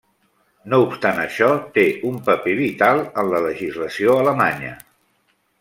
No obstant això, té un paper vital en la legislació alemanya.